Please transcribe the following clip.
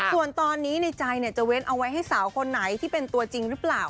ส่วนตอนนี้ในใจจะเว้นเอาไว้ให้สาวคนไหนที่เป็นตัวจริงหรือเปล่า